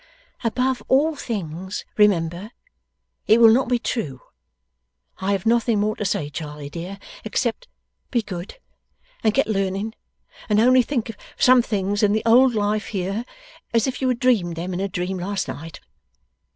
'Above all things remember! It will not be true. I have nothing more to say, Charley dear, except, be good, and get learning, and only think of some things in the old life here, as if you had dreamed them in a dream last night.